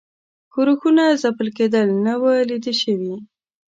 ښورښونو ځپل کېدل نه وه لیده شوي.